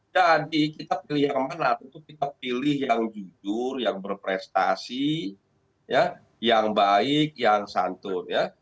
jadi kita pilih yang mana atau kita pilih yang jujur yang berprestasi yang baik yang santun